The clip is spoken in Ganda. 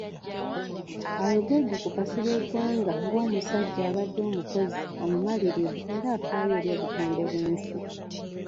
Ayogedde ku Kasirye Ggwanga ng'omusajja abadde omukozi, omumalirivu era afaayo eri obutonde bwensi.